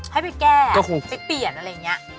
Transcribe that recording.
ให้ไปแก้ไปเปลี่ยนอะไรอย่างนี้